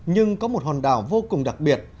nhưng có một hòn đảo vô cùng đặc biệt